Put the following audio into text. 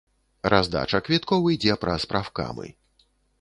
Раздача квіткоў ідзе праз прафкамы.